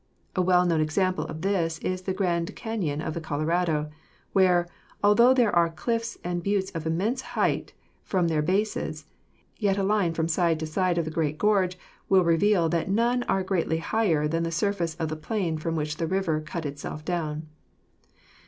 A well known example of this is the Grand Canon of the Colorado, where, altho there are cliffs and buttes of immense height from their bases, yet a line from side to side of the great gorge will reveal that none are greatly higher than the surface of the plain from which the river has cut itself down.